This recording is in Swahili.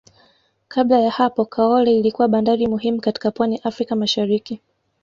Kabla ya hapo Kaole ilikuwa bandari muhimu katika pwani ya Afrika Mashariki